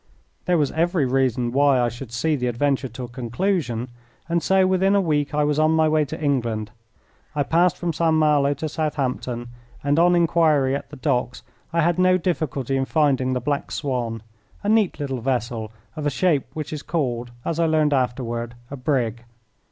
There was every reason why I should see the adventure to a conclusion, and so within a week I was on my way to England. I passed from St. Malo to Southampton, and on inquiry at the docks I had no difficulty in finding the Black Swan, a neat little vessel of a shape which is called, as I learned afterward, a brig.